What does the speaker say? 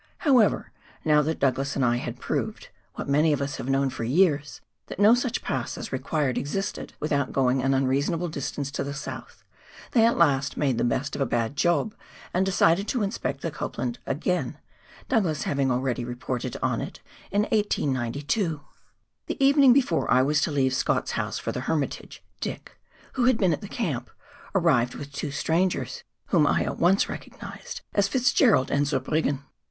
However, now that Douglas and I had proved — what many of us have known for years — that no such pass as required existed without going an unreasonable distance to the south, they at last made the best of a bad job and decided to inspect the Copland again — Douglas having already reported on it in 1892. The evening before I was to leave Scott's house for the Hermitage, Dick — who had been at the camp — arrived with two strangers, whom I at once recognised as Fitzgerald and Zurbriggen.